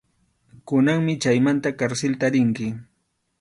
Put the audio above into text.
Kunanmi chaymanta karsilta rinki.